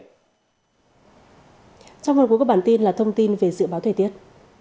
trong phần cuối của bản tin là thông tin về dự báo thời tiết